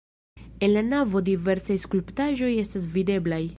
En la navo diversaj skulptaĵoj estas videblaj.